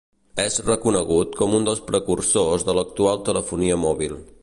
És reconegut com un dels precursors de l'actual telefonia mòbil.